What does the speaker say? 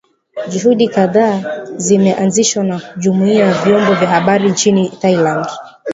Juhudi kadhaa zimeanzishwa na jumuiya za vyombo vya habari nchini Thailand